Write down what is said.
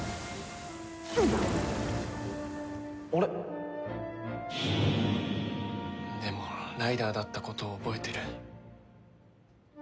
あれっ？でもライダーだったことを覚えてる。